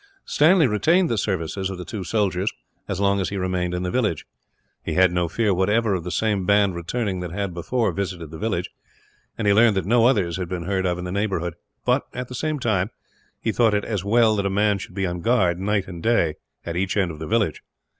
Stanley retained the services of the two soldiers, as long as he remained in the village. He had no fear, whatever, of the same band returning that had, before, visited the village; and he learned that no others had been heard of in the neighbourhood but, at the same time, he thought it as well that a man should be on guard, night and day, at each end of the village.